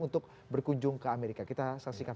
untuk berkunjung ke amerika kita saksikan